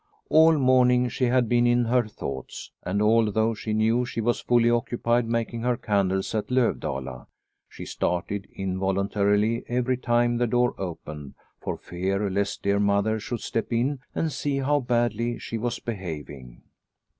All morning she had been in her thoughts, and although she knew she was fully occupied making her candles at Lovdala, she started involuntarily every time the door opened, for fear lest dear Mother should step in and see how badly she was behaving.